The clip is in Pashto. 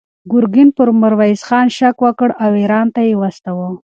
ګورګین پر میرویس خان شک وکړ او ایران ته یې واستاوه.